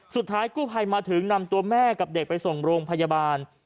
สุดท้ายกู้ภัยมาถึงนำตัวแม่กับเด็กไปส่งโรงพยาบาล